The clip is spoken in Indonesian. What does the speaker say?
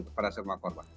kepada semua korban